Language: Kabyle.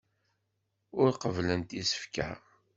Ur qebblent isefka.